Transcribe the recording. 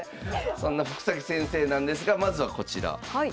そんな福崎先生なんですがまずはこちら。